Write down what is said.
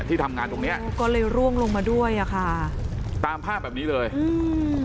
ที่ทำงานตรงเนี้ยก็เลยร่วงลงมาด้วยอ่ะค่ะตามภาพแบบนี้เลยอืม